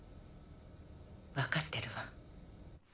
分かってるわ。